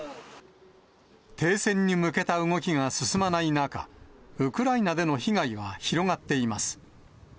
停戦に向けた動きが進まない中、ウクライナでの被害は広がっています。